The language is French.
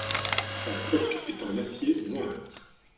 Sa coque est en acier noir.